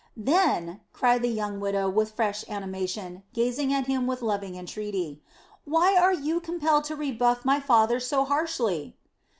"Then," cried the young widow with fresh animation, gazing at him with loving entreaty, "why were you compelled to rebuff my father so harshly?"